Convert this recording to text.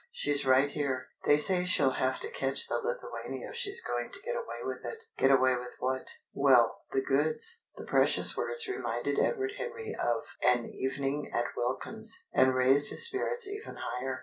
She's right here. They say she'll have to catch the Lithuania if she's going to get away with it." "Get away with what?" "Well the goods." The precious words reminded Edward Henry of an evening at Wilkins's, and raised his spirits even higher.